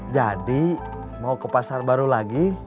jadi mau ke pasar baru lagi